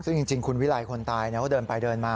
ซึ่งจริงคุณวิไลคนตายเขาเดินไปเดินมา